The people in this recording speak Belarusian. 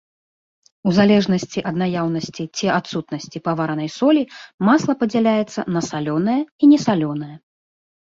У залежнасці ад наяўнасці ці адсутнасці паваранай солі, масла падзяляецца на салёнае і несалёнае.